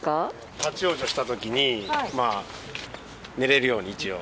立往生したときに、寝れるように、一応。